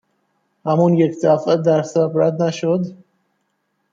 همون یک دفعه درس عبرت نشد؟